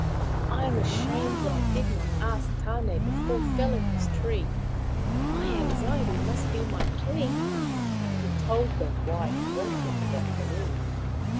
I am ashamed that I did not ask Tan6 before felling his tree. My anxiety must be my plea." He told them why he wanted the canoe.